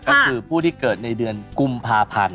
ก็คือผู้ที่เกิดในเดือนกุมภาพันธ์